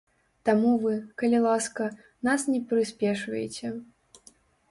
Таму вы, калі ласка, нас не прыспешвайце.